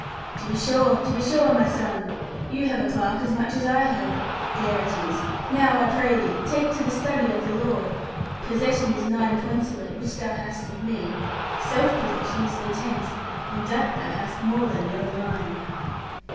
'To be sure, to be sure, my son. You have a clerk as much as I have. There it is. Now I pray thee, take to the study of the law. Possession is nine points of it, which thou hast of me. Self possession is the tenth, and that thou hast more than the other nine.'